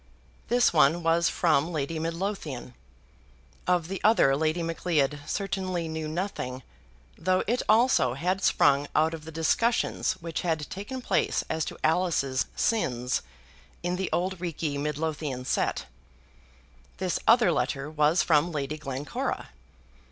This one was from Lady Midlothian. Of the other Lady Macleod certainly knew nothing, though it also had sprung out of the discussions which had taken place as to Alice's sins in the Auld Reekie Midlothian set. This other letter was from Lady Glencora.